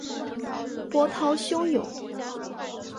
波涛汹涌